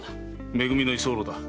め組の居候だ。